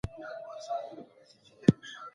د کډوالو حقونه باید په نورو هېوادونو کي خوندي وي.